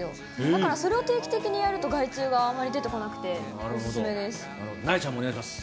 だからそれを定期的にやると害虫があまり出てこなくて、お勧めでなえちゃんもお願いします。